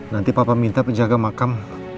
nanti papa minta penjaga makam